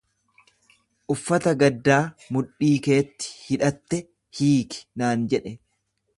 Uffata gaddaa mudhii keetti hidhatte hiiki naan jedhe.